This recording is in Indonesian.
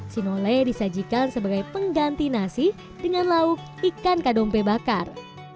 sinole disajikan sebagai pengganti nasi dengan lauk ikan kadompe bakar